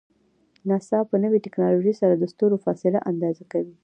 ناسا په نوی ټکنالوژۍ سره د ستورو فاصله اندازه کوي.